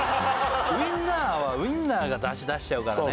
ウインナーはウインナーが出汁出しちゃうからね